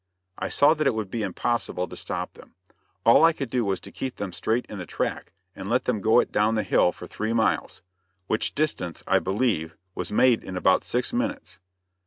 I saw that it would be impossible to stop them. All I could do was to keep them straight in the track and let them go it down the hill, for three miles; which distance, I believe, was made in about six minutes.